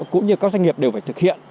cũng như các doanh nghiệp đều phải thực hiện